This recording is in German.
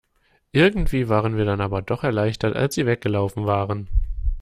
Irgendwie waren wir dann aber doch erleichtert, als sie weggelaufen waren.